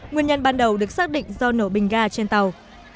nguyên nhân ban đầu được xác định do nổ bình ga trên tàu